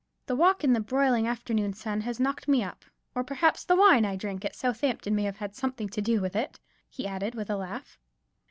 The walk in the broiling afternoon sun has knocked me up: or perhaps the wine I drank at Southampton may have had something to do with it," he added, with a laugh.